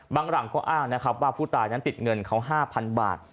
บังรั่งก็อ้างนะครับว่าผู้ตายติดเงินของ๕๐๐๐บาท